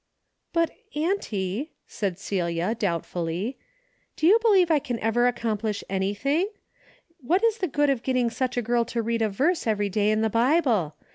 "But, auntie," said Celia, doubtfully, "do you believe I can ever accomplish anything ? What is the good of getting such a girl to read a verse every day in the Bible